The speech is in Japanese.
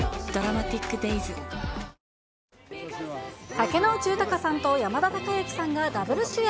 竹野内豊さんと山田孝之さんがダブル主演。